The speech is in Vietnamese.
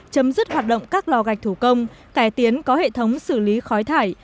chấm dứt hoạt động các lò gạch thủ công cải tiến có hệ thống xử lý khói thải